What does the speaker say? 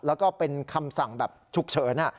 แล้วก็เป็นคำสั่งแบบฉุกเฉิน